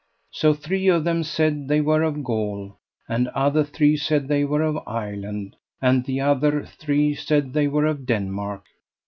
So three of them said they were of Gaul, and other three said they were of Ireland, and the other three said they were of Denmark.